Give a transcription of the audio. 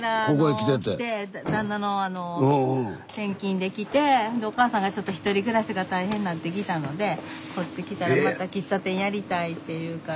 でお母さんがちょっと１人暮らしが大変なってきたのでこっち来たらまた喫茶店やりたいって言うから。